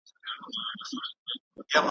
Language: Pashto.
ګړی وروسته غویی پروت اندام اندام وو `